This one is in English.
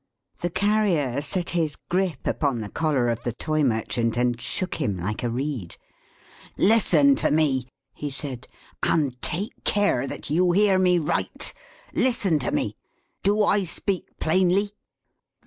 The Carrier set his grip upon the collar of the Toy Merchant, and shook him like a reed. "Listen to me!" he said. "And take care that you hear me right. Listen to me. Do I speak plainly?"